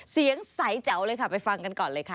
เสียงใสแจ๋วเลยค่ะไปฟังกันก่อนเลยค่ะ